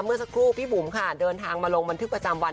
เมื่อสักครู่พี่บุ๋มค่ะเดินทางมาลงบันทึกประจำวัน